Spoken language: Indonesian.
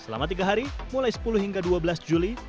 selama tiga hari mulai sepuluh hingga dua belas juli